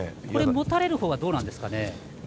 持たれるほうはどうなんですか。